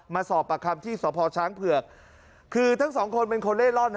มาสอบปากคำที่สพช้างเผือกคือทั้งสองคนเป็นคนเล่ร่อน